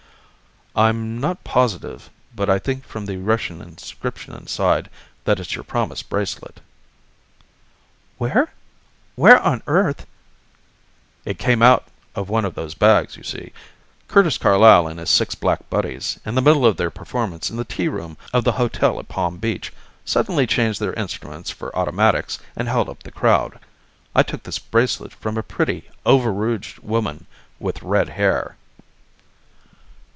"I'm not positive, but I think from the Russian inscription inside that it's your promised bracelet." "Where where on earth " "It came out of one of those bags. You see, Curtis Carlyle and his Six Black Buddies, in the middle of their performance in the tea room of the hotel at Palm Beach, suddenly changed their instruments for automatics and held up the crowd. I took this bracelet from a pretty, overrouged woman with red hair."